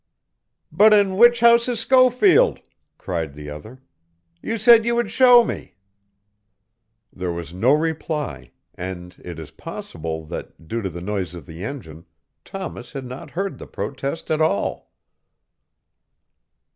"But in which house is Schofield?" cried the other. "You said you would show me." There was no reply, and it is possible that, due to the noise of the engine, Thomas had not heard the protest at all.